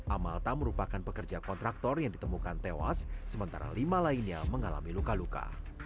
amalta merupakan pekerja kontraktor yang ditemukan tewas sementara lima lainnya mengalami luka luka